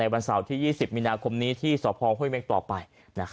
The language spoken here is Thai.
วันเสาร์ที่๒๐มีนาคมนี้ที่สพห้วยเม็กต่อไป